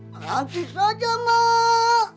nanti saja mak